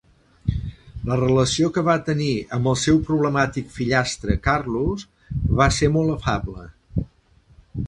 La relació que va tenir amb el seu problemàtic fillastre, Carlos, va ser molt afable.